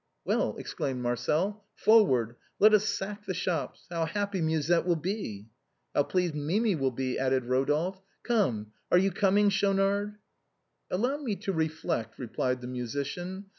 " Well," exclaimed Marcel, " forward ; let us sack the shops. How happy Musette will be." " How pleased Mimi will be," added Eodolphe. " Well, are you coming, Schaunard ?"" Allow me to reflect," replied the musician.